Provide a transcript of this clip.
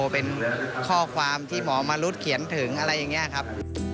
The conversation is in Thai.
เป็นข้อความที่หมอมนุษย์เขียนถึงอะไรอย่างนี้ครับ